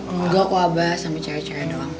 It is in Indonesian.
enggak kok abah sama cara cara doang